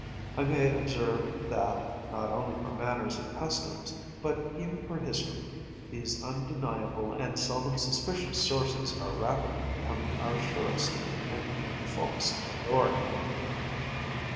I may observe that, not only for manners and customs, but even for history, these undeniable and seldom suspicious sources are rapidly becoming our surest and even fullest authority.